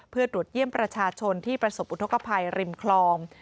เพื่อตรวจเยี่ยมประชาชนที่ประสบอุทธกภัยริมคลอง